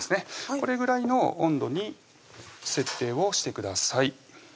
これぐらいの温度に設定をしてください